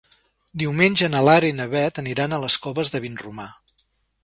Diumenge na Lara i na Beth aniran a les Coves de Vinromà.